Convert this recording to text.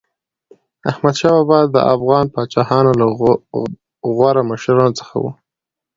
احمدشاه بابا د افغان پاچاهانو له غوره مشرانو څخه و.